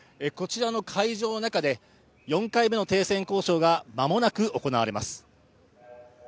こちらの会場の中で４回目の停戦交渉が間もなく行われます。